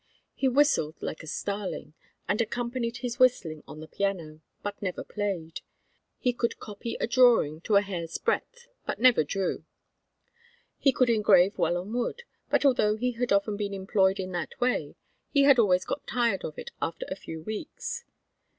He whistled like a starling, and accompanied his whistling on the piano; but never played. He could copy a drawing to a hair's breadth, but never drew. He could engrave well on wood; but although he had often been employed in that way, he had always got tired of it after a few weeks.